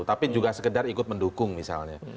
tapi juga sekedar ikut mendukung misalnya